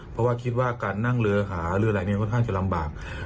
เพราะว่าคิดว่าการนั่งเรือหาเรืออะไรเนี่ยค่อนข้างจะลำบาก